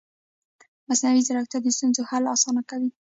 مصنوعي ځیرکتیا د ستونزو حل اسانه کوي.